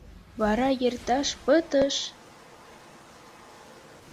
Вара йӧрташ пытыш...